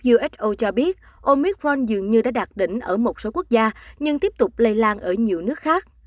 uso cho biết omicron dường như đã đạt đỉnh ở một số quốc gia nhưng tiếp tục lây lan ở nhiều nước khác